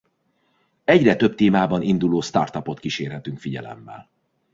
Egyre több témában induló startupot kísérhetünk figyelemmel.